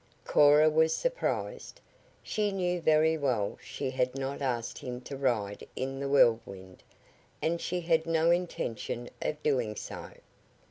Cora was surprised. She knew very well she had not asked him to ride in the Whirlwind, and she had no intention of doing so.